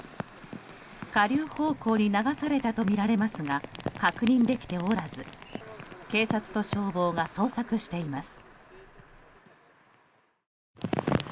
下流方向に流されたとみられますが、確認できておらず警察と消防が捜索しています。